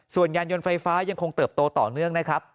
ส่วนยานยนต์ไฟฟ้ายังคงเติบโตต่อเนื่องนะครับ